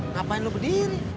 ngapain lu berdiri